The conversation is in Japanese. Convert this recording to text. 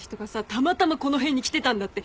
たまたまこの辺に来てたんだって。